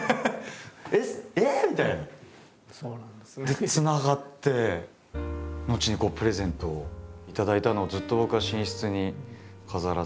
でつながって後にプレゼントを頂いたのをずっと僕は寝室に飾らせて。